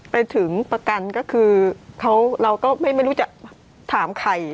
ไปถึงประกันก็คือเราก็ไม่รู้จะถามใคร